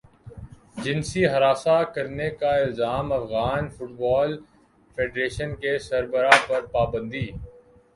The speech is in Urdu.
جنسی ہراساں کرنے کا الزام افغان فٹبال فیڈریشن کے سربراہ پر پابندی